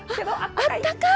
あったかい！